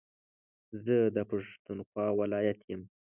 زه دا پښتونخوا ولايت يم